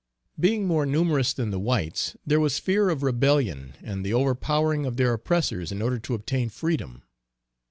Being more numerous than the whites there was fear of rebellion, and the overpowering of their oppressors in order to obtain freedom.